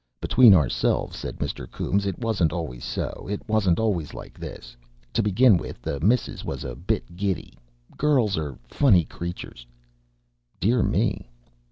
"Between ourselves," said Mr. Coombes, "it wasn't always so. It wasn't always like this. To begin with, the missus was a bit giddy. Girls are funny creatures." "Dear me!"